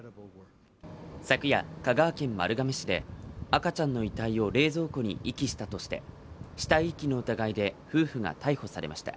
昨夜、香川県丸亀市で赤ちゃんの遺体を冷蔵庫に遺棄したとして、死体遺棄の疑いで夫婦が逮捕されました。